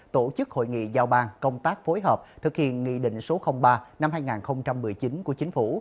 tổ chức hội nghị giao ban công tác phối hợp thực hiện nghị định số ba năm hai nghìn một mươi chín của chính phủ